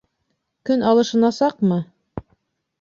Көн алышынасаҡмы?